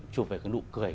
chụp về nụ cười